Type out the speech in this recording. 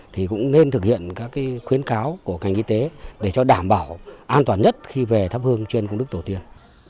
thì cũng nên thực hiện các khuyến cáo của ngành y tế để cho đảm bảo an toàn nhất khi về tháp hương trên công đúc đầu tiên